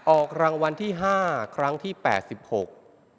ออกรางวัลที่ห้าครั้งที่แปดสิบหก